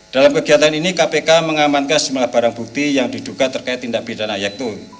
dalam kegiatan ini kpk mengamankan jumlah barang bukti yang diduka terkait tindak bidang ayat itu